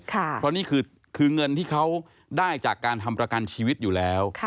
เพราะนี่คือเงินที่เขาได้จากการทำประกันชีวิตอยู่แล้ว